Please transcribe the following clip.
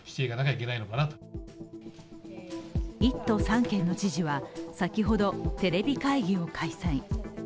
１都３県の知事は、先ほどテレビ会議を開催。